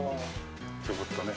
ちょこっとね。